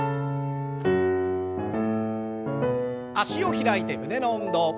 脚を開いて胸の運動。